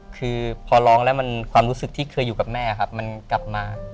คือพอร้องแล้วมันความรู้สึกที่เคยอยู่กับแม่ครับมันกลับมา